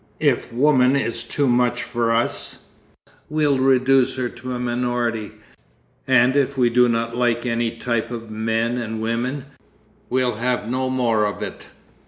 If woman is too much for us, we'll reduce her to a minority, and if we do not like any type of men and women, we'll have no more of it.